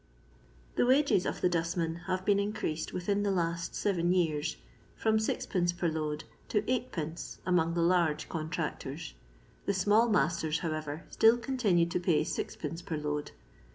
The wages of the dostmen have been increased within the lost seven years from M, per load to 8d amonff the large contractors— the "small masters," however, still continue to pay 6c{. per load.